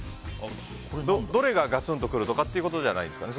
どれがガツンと来るとかっていうことじゃないんですかね。